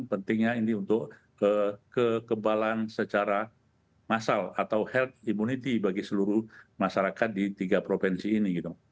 pentingnya ini untuk kekebalan secara massal atau health immunity bagi seluruh masyarakat di tiga provinsi ini